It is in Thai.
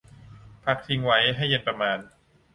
พักทิ้งไว้ให้เย็นประมาณ